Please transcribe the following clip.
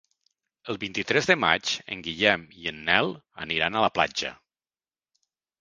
El vint-i-tres de maig en Guillem i en Nel aniran a la platja.